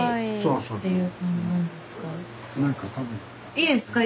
いいですか？